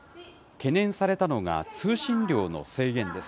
懸念されたのが、通信量の制限です。